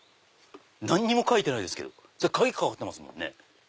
何も書いてないですけど鍵かかってますもんね。